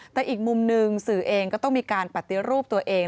แต่อีกมุมหนึ่งสื่อเองก็ต้องมีการปฏิรูปตัวเอง